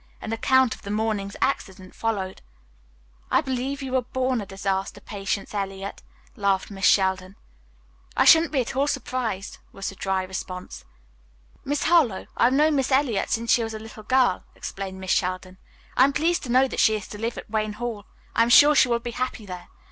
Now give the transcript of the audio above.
An account of the morning's accident followed. "I believe you were born to disaster, Patience Eliot," laughed Miss Sheldon. "I shouldn't be at all surprised," was the dry response. "Miss Harlowe, I have known Miss Eliot since she was a little girl," explained Miss Sheldon. "I am pleased to know that she is to live at Wayne Hall. I am sure she will be happy there.